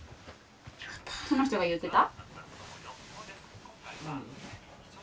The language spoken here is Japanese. その人が言ってた？